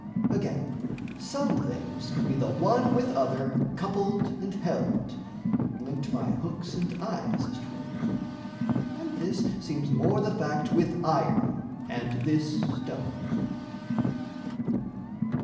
Again, some things Can be the one with other coupled and held, Linked by hooks and eyes, as 'twere; and this Seems more the fact with iron and this stone.